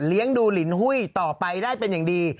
ดูลินหุ้ยต่อไปได้เป็นอย่างดี